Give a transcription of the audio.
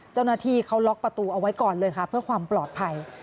เจ้าหน้าที่เขาล็อกประตูเอาไว้ก่อนเลยค่ะเพื่อความปลอดภัย